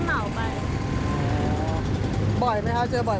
คนมีอะไรไม่ภูมิเราก็ไม่พันละ